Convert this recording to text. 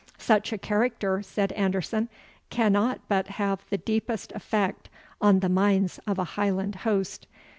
"Such a character," said Anderson, "cannot but have the deepest effect on the minds of a Highland host.